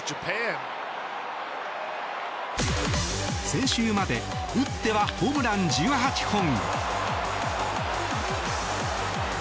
先週まで打ってはホームラン１８本。